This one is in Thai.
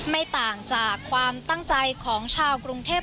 ไม่ต่างจากความตั้งใจของชาวกรุงเทพ